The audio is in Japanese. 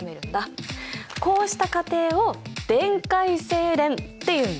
こうした過程を電解精錬っていうんだ。